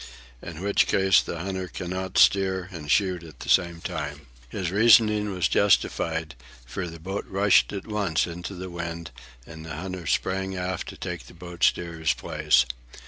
In which case, the hunter cannot steer and shoot at the same time." His reasoning was justified, for the boat rushed at once into the wind and the hunter sprang aft to take the boat steerer's place.